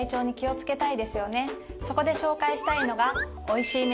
そこで紹介したいのが。